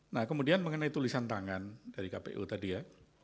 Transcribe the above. nah kemudian mengenai tulisan tangan dari kpu tadi ya